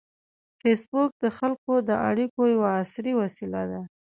فېسبوک د خلکو د اړیکو یوه عصري وسیله ده